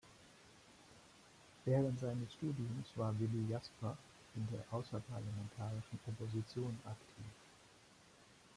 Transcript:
Während seines Studiums war Willi Jasper in der Außerparlamentarischen Opposition aktiv.